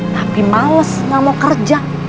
tapi males gak mau kerja